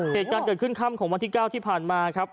หี่การเกิดขึ้นคำวันที่๙ที่ผ่านมาครับ